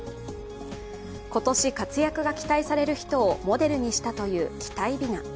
今年、活躍が期待される人をモデルにしたという期待びな。